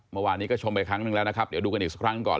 เมื่อวานนี้ก็ชมไปครั้งหนึ่งแล้วนะครับเดี๋ยวดูกันอีกสักครั้งก่อน